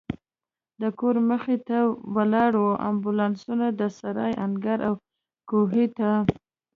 د کور مخې ته ولاړو امبولانسونو، د سرای انګړ او کوهي ته.